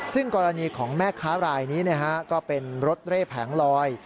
ซึ่งกรณีของแม่ค้ารายนี้ก็เป็นรถเร่แผงลอย